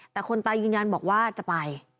แต่คนตายยืนยันบอกว่าจะไป